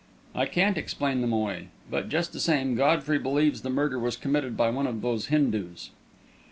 "I can't explain them away. But, just the same, Godfrey believes the murder was committed by one of those Hindus."